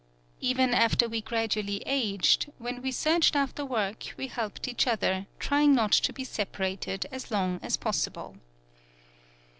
Even after we grad ually aged, when we searched after work, we helped each other, trying not to be separated as long as possible.